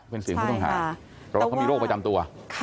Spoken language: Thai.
เพราะว่าเขามีโรคประจำตัว